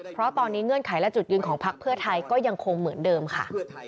เพราะตอนนี้เงื่อนไขและจุดยืนของพักเพื่อไทยก็ยังคงเหมือนเดิมค่ะ